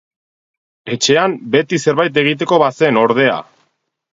Etxean beti zerbait egiteko bazen, ordea!